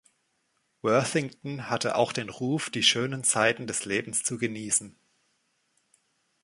Worthington hatte auch den Ruf, die schönen Seiten des Lebens zu genießen.